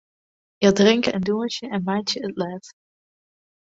Hja drinke en dûnsje en meitsje it let.